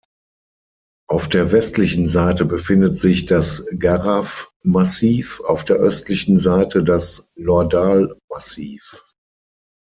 Auf der westlichen Seite befindet sich das Garraf-Massiv, auf der östlichen Seite das l'Ordal-Massiv.